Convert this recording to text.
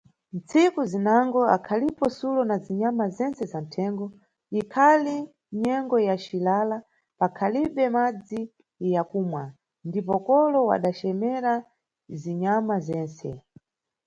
Tsiku zinango akhalipo Sulo na Zinyama Zense zanthengo, ikhali nyengo ya cilala pakhalibe madzi ya kumwa, ndipo kolo wada cemera zinyama zense.